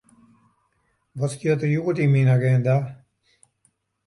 Wat stiet der hjoed yn myn aginda?